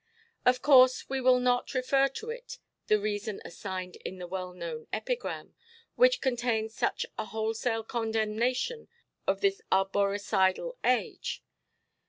Of course, we will not refer it to the reason assigned in the well–known epigram, which contains such a wholesale condemnation of this arboricidal age.